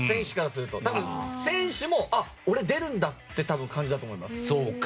多分、選手も俺出るんだって感じだと思います。